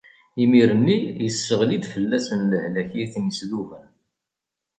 Imir-nni, isseɣli-d fell-asen lehlak i ten-isduben.